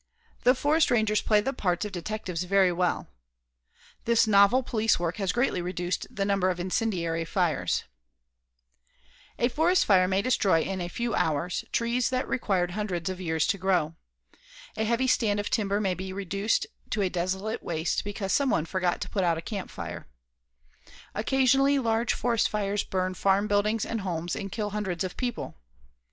The forest rangers play the parts of detectives very well. This novel police work has greatly reduced the number of incendiary fires. [Illustration: FOREST FIRES DESTROY MILLIONS OF DOLLARS WORTH OF TIMBER EVERY YEAR] A forest fire may destroy in a few hours trees that required hundreds of years to grow. A heavy stand of timber may be reduced to a desolate waste because some one forgot to put out a campfire. Occasionally large forest fires burn farm buildings and homes and kill hundreds of people.